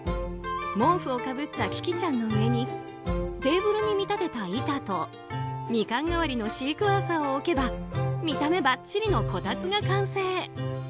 毛布をかぶったキキちゃんの上にテーブルに見立てた板とミカン代わりのシークワーサーを置けば見た目ばっちりのこたつが完成。